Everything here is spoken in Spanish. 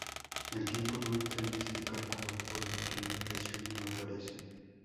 El tiempo no entra en este cálculo, por lo que la inflación no aparece.